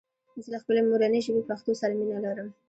زه له خپلي مورني ژبي پښتو سره مينه لرم